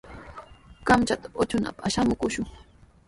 Kamchata utrunapaq samakushun.